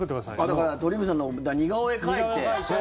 だから鳥海さんの似顔絵描いて。